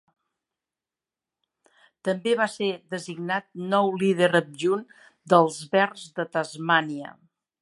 També va ser designat nou líder adjunt d'Els Verds de Tasmània.